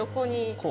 こう？